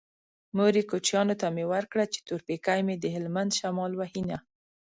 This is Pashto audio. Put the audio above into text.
مورې کوچيانو ته مې ورکړه چې تور پېکی مې د هلبند شمال وهينه